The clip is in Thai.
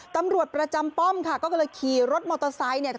ตำรวจประจำป้อมค่ะก็เลยขี่รถมอเตอร์ไซค์เนี่ย